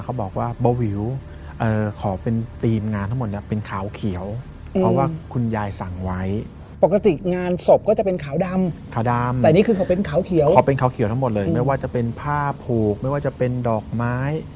ขอผ้าผูกหรือถ้าเป็นดอกไม้